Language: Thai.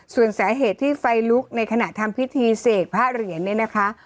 ส่วนสาเหตุที่ไฟลุกในขณะทำพิธีเสกผ้าเหรียญเนี่ยนะคะ